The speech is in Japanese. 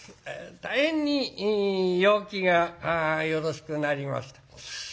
大変に陽気がよろしくなりました。